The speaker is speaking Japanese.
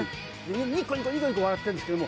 ニコニコニコニコ笑ってるんですけども。